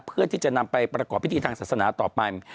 เพื่อที่จะนำไปประกอบพิธีทางศาสนาต่อไป